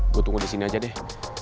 gue tunggu disini aja deh